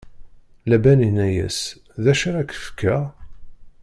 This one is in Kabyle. Laban inna-yas: D acu ara k-fkeɣ?